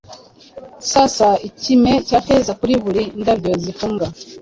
sasa ikime cya feza Kuri buri ndabyo zifunga